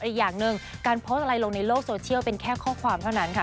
อีกอย่างหนึ่งการโพสต์อะไรลงในโลกโซเชียลเป็นแค่ข้อความเท่านั้นค่ะ